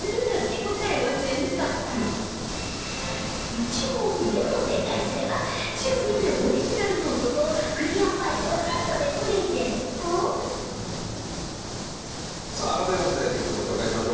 １問でも正解すれば抽選でオリジナルノートとクリアファイルをセットでプレゼントさあ改めましてゲストご紹介しましょう。